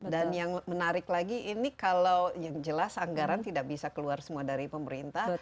dan yang menarik lagi ini kalau yang jelas anggaran tidak bisa keluar semua dari pemerintah